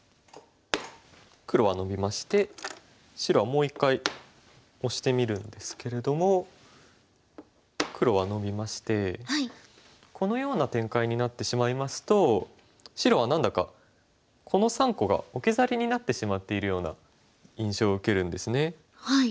黒はノビまして白はもう一回オシてみるんですけれども黒はノビましてこのような展開になってしまいますと白は何だかこの３個が置き去りになってしまっているような印象を受けるんですね。